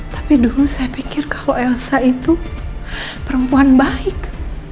tapi dulu saya pikir kalau elsa itu perempuan baik